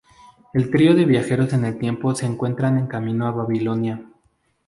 El trío de viajeros en el tiempo se encuentran en camino a Babilonia.